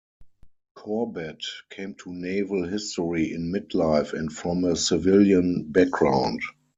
Corbett came to naval history in mid-life and from a civilian background.